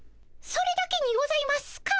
それだけにございますか？